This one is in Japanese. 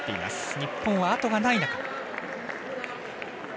日本は後がない。